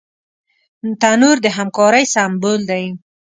تنور د همکارۍ سمبول دی